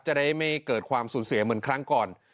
จะได้ไม่เกิดความสูญเสียเหมือนครั้งก่อน